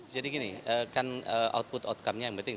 jadi gini kan output outcome nya yang penting